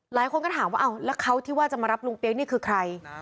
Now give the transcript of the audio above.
หลายคนก็ถามว่าแล้วเขาที่ว่าจะมารับลุงเปี๊ยกนี่คือใคร